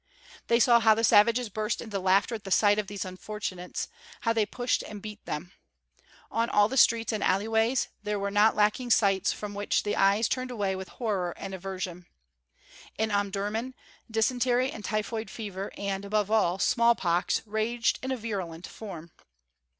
They saw how the savages burst into laughter at the sight of these unfortunates; how they pushed and beat them. On all the streets and alleyways there were not lacking sights from which the eyes turned away with horror and aversion. In Omdurmân, dysentery and typhoid fever, and, above all, small pox raged in a virulent form.